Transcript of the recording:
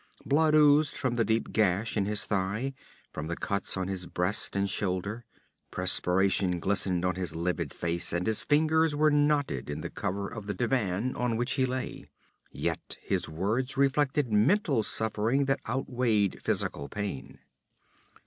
Blood oozed from the deep gash in his thigh, from the cuts on his breast and shoulder. Perspiration glistened on his livid face and his fingers were knotted in the cover of the divan on which he lay. Yet his words reflected mental suffering that outweighed physical pain.